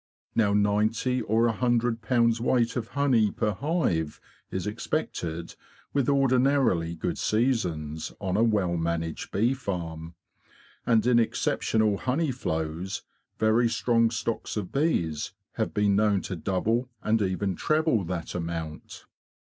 Now ninety or a hundred pounds weight of honey per hive is expected, with ordinarily good seasons, on a well managed bee farm; and in exceptional honey flows very strong stocks of bees have been known to double and even treble that amount.